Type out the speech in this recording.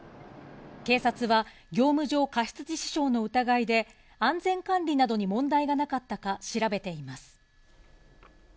警察は、業務上過失致死傷の疑いで安全管理などに問題がなかったか調べています。